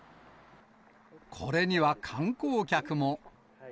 これには観光客も。